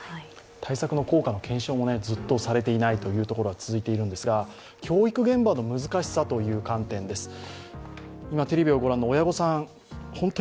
対策の効果の検証もされていないのが続いているんですが教育現場の難しさという観点です。